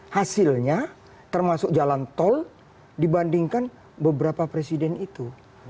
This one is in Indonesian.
hasilnya termasuk jalan tol dibandingkan beberapa presiden itu